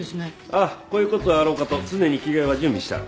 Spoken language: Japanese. ああこういう事もあろうかと常に着替えは準備してある。